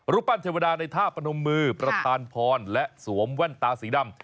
ปั้นเทวดาในท่าประนมมือประธานพรและสวมแว่นตาสีดำ